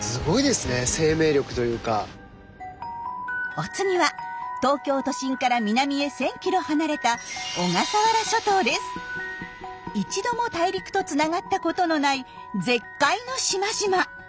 お次は東京都心から南へ１，０００キロ離れた一度も大陸とつながったことのない絶海の島々。